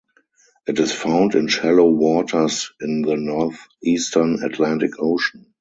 It is found in shallow waters in the northeastern Atlantic Ocean.